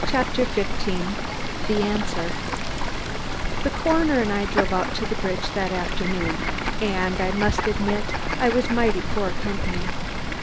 CHAPTER FIFTEEN THE ANSWER The coroner and I drove out to the bridge that afternoon and I must admit I was mighty poor company.